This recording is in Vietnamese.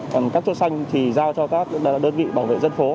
còn các cây xanh thì giao cho các đơn vị bảo vệ dân phố